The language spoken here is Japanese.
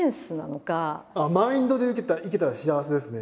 マインドでいけたら幸せですね。